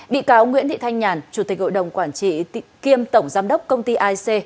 bị cáo nguyễn thị thanh nhàn chủ tịch hội đồng quản trị kiêm tổng giám đốc công ty aic